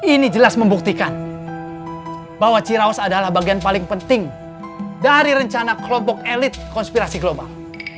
ini jelas membuktikan bahwa cirawas adalah bagian paling penting dari rencana kelompok elit konspirasi global